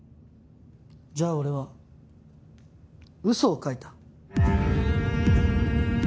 じゃあ俺は嘘を書いた。